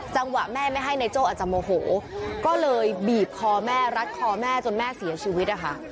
แม่ไม่ให้นายโจ้อาจจะโมโหก็เลยบีบคอแม่รัดคอแม่จนแม่เสียชีวิตนะคะ